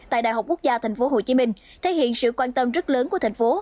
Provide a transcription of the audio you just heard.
tại đại học quốc gia tp hcm thể hiện sự quan tâm rất lớn của thành phố